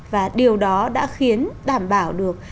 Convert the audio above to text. và điều đó đã khiến đảm bảo được